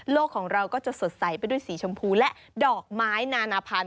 ของเราก็จะสดใสไปด้วยสีชมพูและดอกไม้นานาพันธ